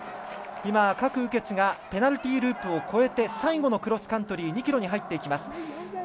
郭雨潔がペナルティーループを越えて最後のクロスカントリー２ｋｍに入っていきました。